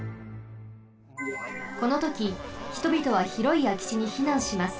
このとき人びとはひろいあきちにひなんします。